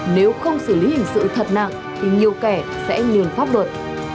nếu không xử lý hình sự thật nặng thì nhiều kẻ sẽ lường pháp luật